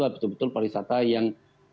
betul betul pariwisata yang